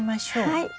はい。